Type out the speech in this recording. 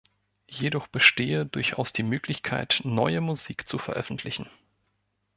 Jedoch bestehe durchaus die Möglichkeit, neue Musik zu veröffentlichen.